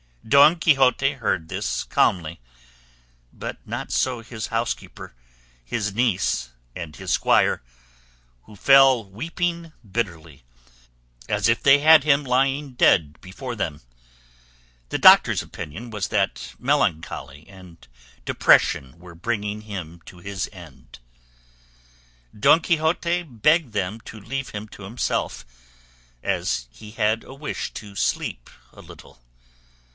Don Quixote heard this calmly; but not so his housekeeper, his niece, and his squire, who fell weeping bitterly, as if they had him lying dead before them. The doctor's opinion was that melancholy and depression were bringing him to his end. Don Quixote begged them to leave him to himself, as he had a wish to sleep a little.